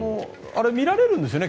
あれ、見られるんですね。